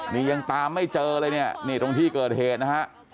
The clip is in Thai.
นี่ยังตามไม่เจอเลยเนี่ยนี่ตรงที่เกิดเหตุนะฮะ